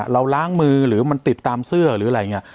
เราร้างมือหรือมันติดตามเสื้อหรืออะไร